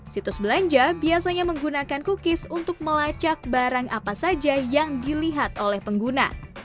situs belanja biasanya menggunakan cookies untuk melacak barang apa saja yang dilihat oleh pengguna